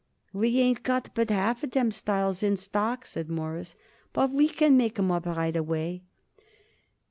"We ain't got but half of them styles in stock," said Morris, "but we can make 'em up right away."